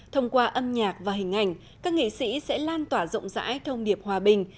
thông qua âm nhạc và hình ảnh các nghệ sĩ sẽ lan tỏa rộng rãi thông điệp hòa bình